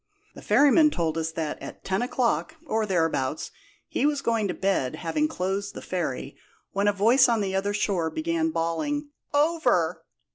The ferryman told us that at ten o'clock, or thereabouts, he was going to bed having closed the ferry, when a voice on the other shore began bawling 'Over!'